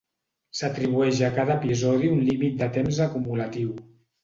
S'atribueix a cada episodi un límit de temps acumulatiu.